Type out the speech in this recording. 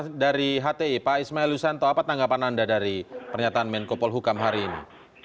dari hti pak ismail lusanto apa tanggapan anda dari pernyataan menko polhukam hari ini